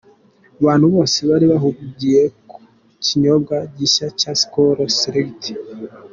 Abantu bose bari bahugiye ku kinyobwa gishya cya Skol Select.